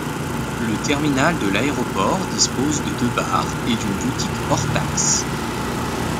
Le terminal de l'aéroport dispose de deux bars et d'une boutique hors taxes.